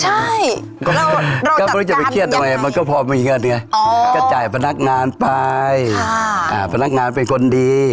ใช่แล้วเราจัดการยังไงมันก็พอมีเงินไงก็จ่ายพนักงานไปพนักงานเป็นคนดี